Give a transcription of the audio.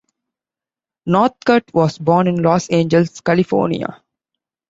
Northcutt was born in Los Angeles, California.